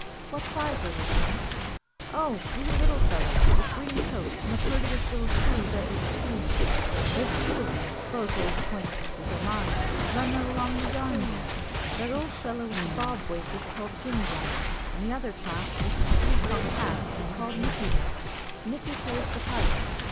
"What size are they, Frank?" "Oh, little wee fellows, with green coats, an' the purtiest little shoes ever you seen. There's two of them both ould acquaintances o' mine runnin' along the yarn beam. That ould fellow with the bob wig is called Jim Jam, an' the other chap, with the three cocked hat, is called Nickey Nick. Nickey plays the pipes.